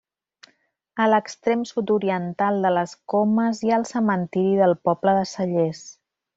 A l'extrem sud-oriental de les Comes hi ha el cementiri del poble de Cellers.